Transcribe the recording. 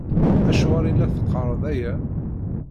Acuɣer i la teqqareḍ aya?